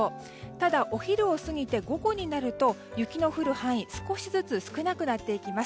ただお昼を過ぎて午後になると雪の降る範囲が少しずつ少なくなっています。